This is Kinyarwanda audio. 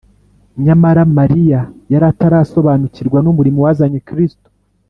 Nyamara Mariya yari atarasobanukirwa n’umurimo wazanye Kristo